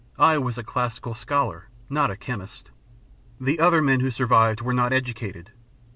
I was a classical scholar, not a chemist.. The other men who survived were not educated.